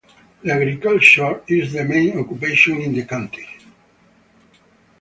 The agriculture is the main occupation in the county.